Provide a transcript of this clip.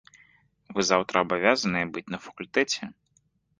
Вы заўтра абавязаныя быць на факультэце.